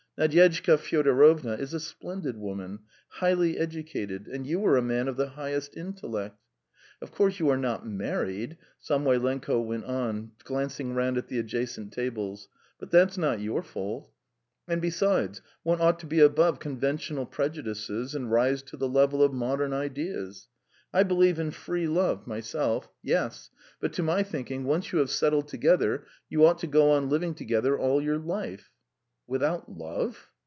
Nadyezhda Fyodorovna is a splendid woman, highly educated, and you are a man of the highest intellect. Of course, you are not married," Samoylenko went on, glancing round at the adjacent tables, "but that's not your fault; and besides ... one ought to be above conventional prejudices and rise to the level of modern ideas. I believe in free love myself, yes. ... But to my thinking, once you have settled together, you ought to go on living together all your life." "Without love?"